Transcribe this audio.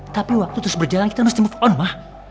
tapi waktu terus berjalan kita harus move on ma